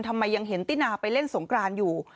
ทำไมยังเห็นตินาไปเล่นสงกรานอยู่